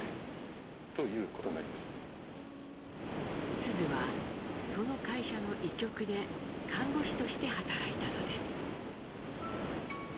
須壽はその会社の医局で看護師として働いたのです。